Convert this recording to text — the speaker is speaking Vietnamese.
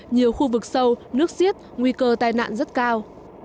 nhiều khu vực sâu nước xiết nguy cơ tai nạn rất cao